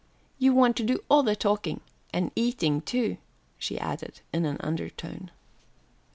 You want to do all the talking and eating, too," she added in an undertone.